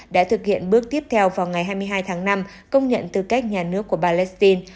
đã thực hiện bước tiếp theo vào ngày hai mươi hai tháng năm công nhận tư cách nhà nước của palestine